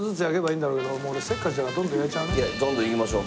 いやどんどんいきましょう。